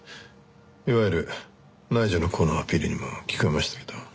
いわゆる内助の功のアピールにも聞こえましたけど。